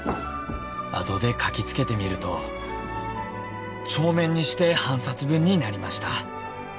「あとで書きつけてみると」「帳面にして半冊分になりました」